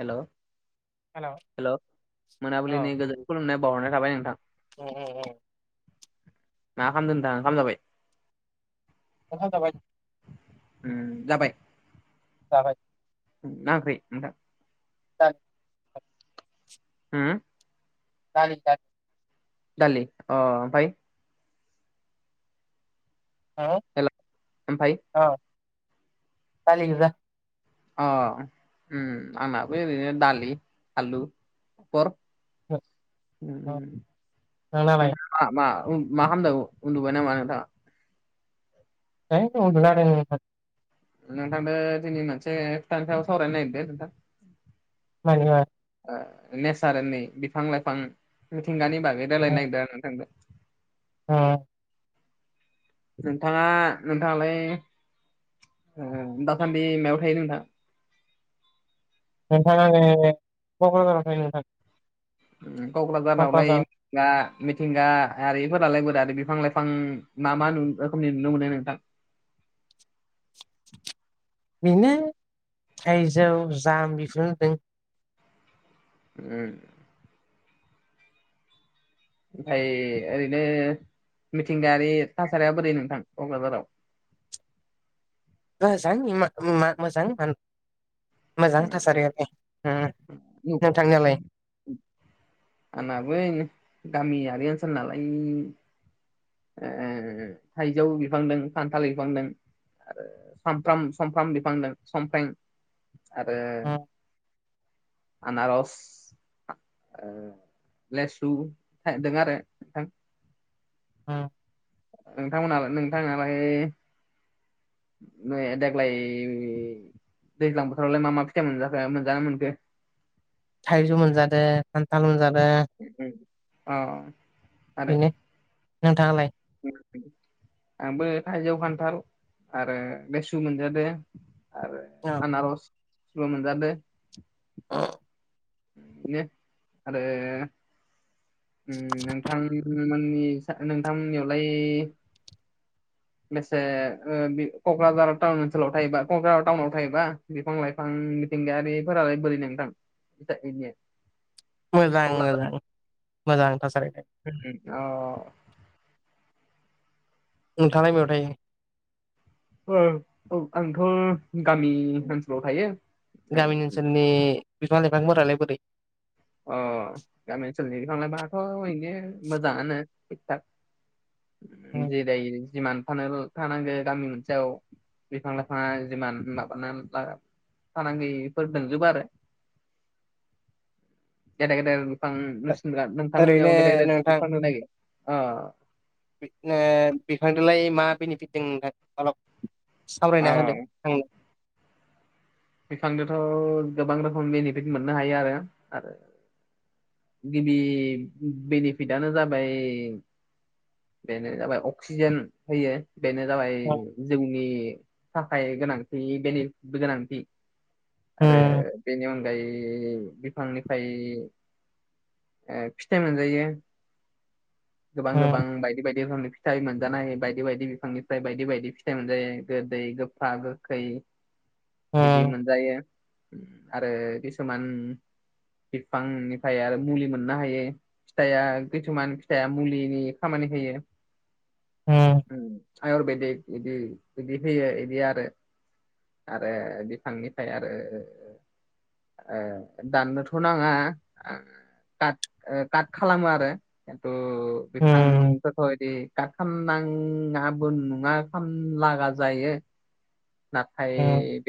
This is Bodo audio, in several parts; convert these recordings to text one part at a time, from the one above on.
हेलौ हेल' औ हेलौ मोनाबिलिनि गोजोन खुलुमनाय बावहरनाय थाबाय नोंथां अ अ [unintelligible] मा खालामदों नोंथां खाम जाबाय? ओंखाम जाबाय? ओम जाबाय। जाबाय। मा ओंख्रै नोथां? [unintelligible] हो दालि [unintelligible] दालि अ ओमफाय हो हेलौ ओमफाय औ दालि गोजा अ ओम आंनाबो ओरैनो दालि, आलु [unintelligible] नोंनालाय मा मा उम मा खालामदों उ -उन्दुबाय नामा नोंथाङा? है उन्दुना दोङो [unintelligible] नोंथांदो दिनै मोनसे खोथानि सायाव सावरायनो नागिदो नोंथां। [unintelligible] ओ नेसारनि बिफां -लाइफां मिथिंगानि बागै ओ रालायनो नागिरदों आरो नोंथांदो। ओ नोंथाङा नोंथाङालाय ओ दासान्दि मायाव थायो नोंथां? नोंथां आङो कक्राझाराव थायो नोंथां। ओ कक्राझारावलाय क'क्राझार दा मिथिंगा आरिफोरालाय बो आरो बिफां -लाइफां मा -मा नु- रोखोमनि नुनो मोनो नोंथां? बेनो थाइजौ, जाम बेफोर दों। ओं। ओमफाय ओरैनो मिथिंगायारि थासारिया बोरै नोंथां कक्राझाराव? मोजां मा -मा मोजां -मोजां उम थासारियालाय। [unintelligible] आंनाबो इनो गामियारि ओनसोल नालाय नि ओ थाइजौ बिफां दों खान्थाल बिफां दों। आरो सामफ्राम -समफ्राम बिफां दों समफ्रें आरो। उम आनारस ओ लेसु थायदों आरो नोंथां। उम। नोंथांमोननालाय नोंथांनालाय? [unintelligible] देग्लाय दैज्लां बोथोरावलाय मा -मा फिथाइ मोनजाखो मोनजानो मोनखो? थाइजौ मोनजादो खान्थाल मोनजादो। ओ ओ अ। आरो बेनो नोंथाङालाय? [unintelligible] आंबो थाइजौ, खान्थाल आरो बेसु मोनजादो आरो औ। आनारसबो मोनजादो। अ। बिदिनो आरोे ओं नोंथांमोननि सा नोंथांमोननियावलाय बेसे ओ बे कक्राझार टाउन ओनसोलाव थायोबा कक्राझार टाउनाव थायोबा बिफां- लाइफां मिथिंगायारिफोरालाय बोरै नोंथां? बिदि मोजां -मोजां -मोजां थासारि। ओम ओम अ नोंथाङालाय मायाव थायो? ओ औ आंथ गामि ओनसोलाव थायो। गामि ओनसोलनि बिफां लाइफांफोरालाय बोरै अ गामि ओनसोलनि बिफां लायफाङाथ ओरैनो मोजाङानो थिग थाक। जेरै जिमान फानोल थानांगो गामि मोनसेयाव बिफां -लाइफाङा जिमान [unintelligible] फानाङैफोर दोंजोबो आरो। गेदेर -गेदेर बिफां नुसिनग्रा ओरैनो नोंथांमोननियाव गेदेर गेदेर नोंथां बिफां नागिर ओ बिदनो बिफांदोलाय मा बेनिफिट दं नोंथां अलब अ सावरायना होदो। आङो बिफांदोंथ गोबां रोखोम बेनिफिट मोननो हायो आरो आरो गिबि बेनिफिटानो जाबाय बेनो जाबाय अक्सिजेन होयो। बेनो जाबाय जोंनि थाखाय गोनांथि बेनि गोनांथि। आरो बेनि अनगायै बिफांनिफ्राय ओ-फिथाइ मोनजायो गोबां गोबां बायदि बायदि रोखोमनि फिथाइ मोन जानाय बायदि बायदि बिफांनिफ्राय बायदि बायदि फिथाइ मोनजायो गोदै गोफा गोखै बिदि मोनजायो आरो किसुमान बिफांनिफ्राय आरो मुलि मोननो हायो फिथाइआ खिसुमान फिथाइआ मुलिनि खामानि होयो। उ आयुर्वेदिक बिदि बिदि होयो बिदि आरो आरो बिफांनिफ्राय आरो ओ- दाननोथ' नाङा। काट ओ-काट खालामो आरो खिन्थु बिफांफोर बोफोरबादि खालाम नाङाबो नङा खालाम लागा जायो। नाथाय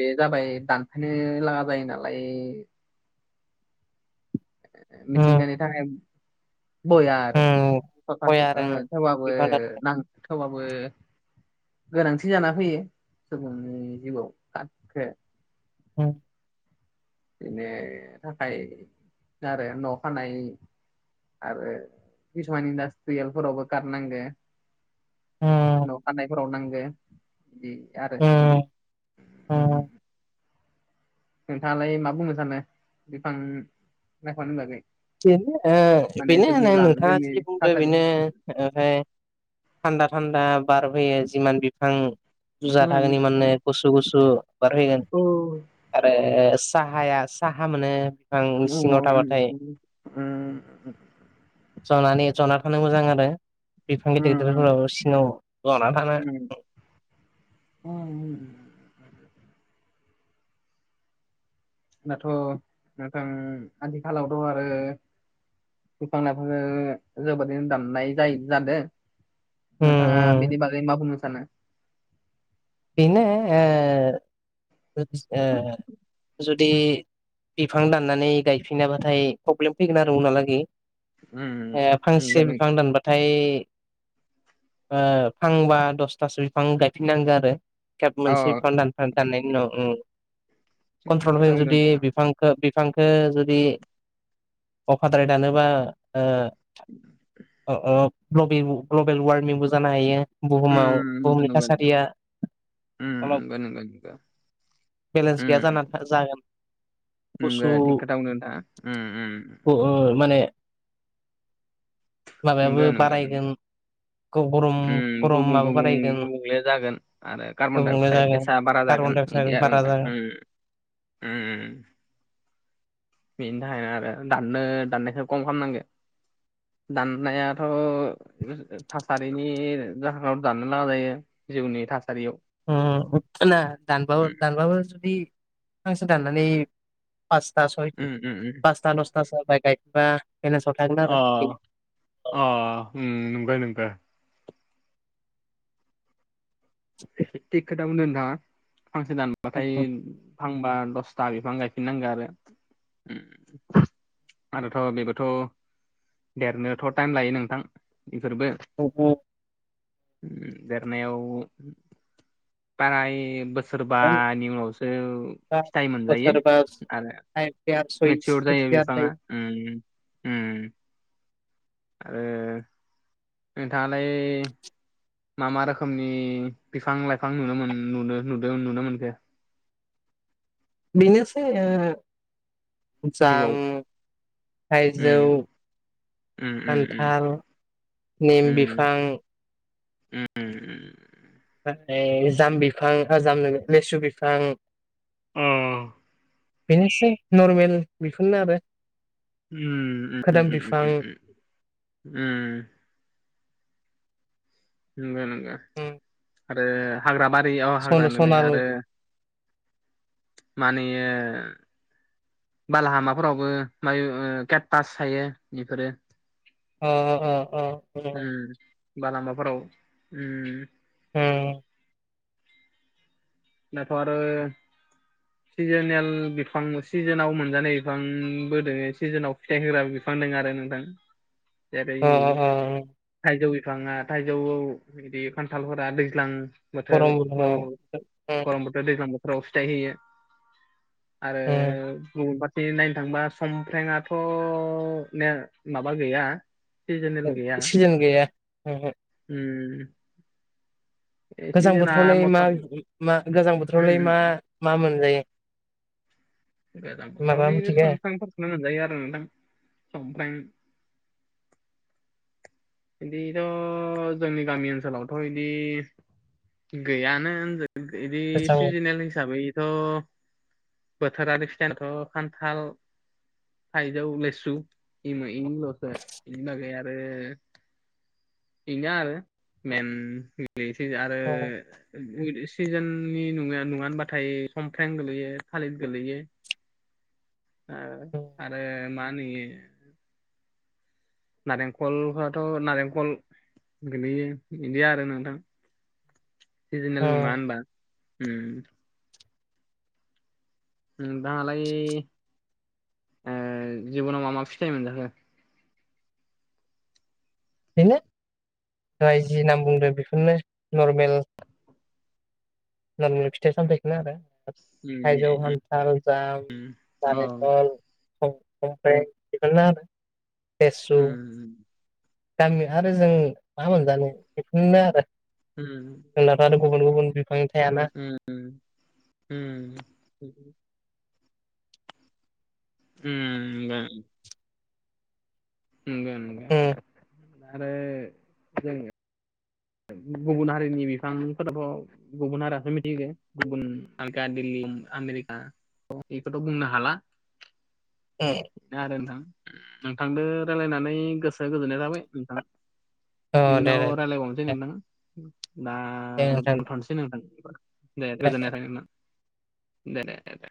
बे जाबाय दानफायनो लागा जायो नालाय मिथिंगानि थाखाय बया आरो गय स आरो ओ-थेवबाबो बिफां बेनो नां थेवबाबो गोनांथि जाना फैयो सुबुंनि जिउआव काटखो। औ बिनि थाखाय आरो न' खानाय। आरो किसुमान इनदासट्रियेल फोरावबो खाट नांगो। न' खानायफोराव नांगो बे आरो ओ उम उम। नोंथाङालाय मा बुंनो सानो बिफां लाइफांनि बागै? बेनो माने ओ-बेनो जोंनि नों ला नोंथाङा जोंनि जि बुंदो थासारियाव बेनो। ओमफ्राय थान्दा थान्दा बारबोयो जिमान बिफां बुजा थागोन एमाननो गुसु गुसु बार फैगोन। आरो साहाया साहा मोनो बिफां सिङाव थाबाथाय। उम। ज'नानै ज'ना थानो मोजां आरो बिफां गिदिर गिदिरफोराव सिङानाव ज'ना थानो [unintelligible] दाथ' नोंथां आथिखालावथ' आरो बिफां लाइफांखो जोबोरैनो दाननाय जायो जादों उम नोंथाङा उम बेनि बागै मा बुंनो सानो। बिनो ओ- जुदि बिफां दाननानै गायफिनाबाथाय प्रब्लेम फैगोन आरो उनहालागै उम ए फांसे नंगौ बिफां नंगौ दानबा फाय फांबा दसथासो बिफां गायफिननांगो आरो खेब अ मोनसे बिफां दाननायनि उनाव उ थिग कन्ट्रल खोथा फैगोन बुंदों जुदि नोंथाङा बिफां बिफांखौ जुदि अभारद्राय दानोबा ओ अ अ ग्लबेल वार्मिंबो जानो हायो बुहुमाव उम बुहुमनि नंगौ नंगौ नंगौ। थासारिया उम माबा नोंगो नोंगो बिबो बेलेन्स गैया उम जाना जागोन गुसु नंगौ थिग खोथा बुंदों नोंथाङा उम ओ- माने उम माबायाबो नंगौ नंगौ नंगौ बारायगोन गरम उम गुबुं गरमाबो गुबुं बारायगोन गुबुंले जागोन आरो कार्बनडाइ गुबुंले अक्साइद जागोन गेसा बारा कार्बन जागोन डाइ बिदि अक्साइड आरो बारा नोंथां जागोन उ उ बेनि थाखायनो आरो दाननो दाननायखौ खम खालामनांगो दाननायाथ' थासारिनि जाहोनाव दाननो लागा जायो जिउनि थासारियाव। उम दानबाबो उम दानबाबो जुदि फांसे दाननानै पासता सय उम उम उम। पासता दसथासो बाय गायफिनबा [unintelligible] अ' अ' ओम नोंगो नोंगो। थिक खोथा बुंदों नोंथाङा फांसे दानबाथाय फांबा दसथा बिफां गायफिननांगो आरो आरोथ' बेबोथ'। देरनोथ' टाइम लायो नोंथां इफोरबो। अ' अ'। देरनायाव प्राय बाराय बोसोर सोरबानि उनावसो फिथाइ मोनजायो बोसोरबा आरो। [unintelligible] ओम ओम। आरो नोंथाङालाय मा मा रोखोमनि बिफां लाइफां नुनो नदों नुनो मोनखो? बेनोसै ओ जाम, जिउआव थाइजौ। उम उम उम खान्थाल, निम बिफां। ओम। ओमफ्राय जाम बिफां, ओ जामनो लेसु बिफां। अ बेनोसै नरमेल बेफोरनो आरो। ओम ओम खोदोम बिफां ओम। नोंगौ नोंगौ उम आरो हाग्रा बारि औ हाग्रा सन नोलो सनाल आरो। माने। बालाहामाफोरावबो मायो केकतास थायो बेफोरो। अ अ अ अ ओम लामाफोराव ओम। ओम दाथ' आरो सिजोनेल बिफां सिजोनाव मोनजानाय बिफांबो दोङो सिजोनाव फिथाइ होग्राबो बिफां दङो आरो नोंथां। [inaudible] अ जरै- अ थाइजौ बिफाङा थाइजौआव बिदि खान्थालफोरा दैज्लां। बोथोर गरम फ्राव बोथोराव उम गरम बोथोर दैज्लां बोथोराव फिथाय होयो आरो उम गुबुन बे नायनो थांबा समफ्रेंआथ' ने माबा गैया। सिजोनेल गैया सिजेन गैया। ओंहो। उम गोजां सिजोना बोथोरावलाय मथा मा उम मा गोजां बोथोरावलाय मा उम मा मोनजायो? गोजां माबा बोथोरावल मिथिगो समफ्रामफोरखौनो मोनजायो आरो नोंथां संम्फ्राम बिदिथ' जोंनि गामि ओनसोलावथ' बिदि गैयानो होनजायो। बिदि गोजां सिजेनेल हिसाबैथ' बोथोरारि फिथायानोथ' खान्थाल थाइजौ, लेसु इमो इलसो इनि बागै आरो बिनो आरो मेन। नोसै आरो अ सिजोननि नङा नङानबाथाय खमफ्रें गोलैयो। थालिद गोलैयो। आरो माहोनो इयो नारेंखलफोराथ' नारेंखल गोगलैयो बिदि आरो नोंथां। सिजनेल नङा अ होनबा उम दाङालाय ओ जिबनाव मा मा फिथाइ मोनजाखो? बेनो राय जि नाम बुंदों बेफोरनो नरमेल नारमेल फिथाइ सामथायखौनो आरो। थाइजौ खान्थाल जाम औ नारेंखल औ ओमफ्राय बेफोरनो आरो उम गामिया आरो जों मा मोनजानो बेफोरनो आरो नंगौ जोंनाथ' आरो गुबुन गुबुन बिफांनि थायाना उम उम उम उम नोंगौ नोंगौ उम आरो [unintelligible] गुबुन हारिनि बिफांफोराबो गुबुन हारियासो मिथिगो गुबुन आमेरिका औ एखौथ' बुंनो हाला। ए आरो नोंथां नोंथांदो रायलायनानै गोसोआ गोजोननाय थाबाय नोंथां। अ दे इयुनाव दे रायलायबावनोसै दे नोंथां। दा दे नोंथां दोनथ'नोसै नोंथां। दे गोजोननाय थाबाय नोंथां। दे देे दे